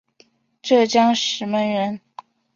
浙江石门人。